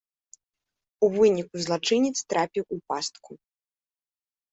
У выніку злачынец трапіў у пастку.